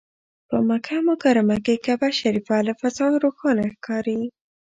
په مکه مکرمه کې کعبه شریفه له فضا روښانه ښکاري.